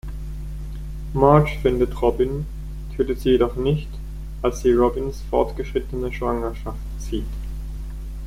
March findet Robin, tötet sie jedoch nicht, als sie Robins fortgeschrittene Schwangerschaft sieht.